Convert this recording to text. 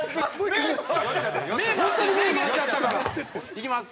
いきます。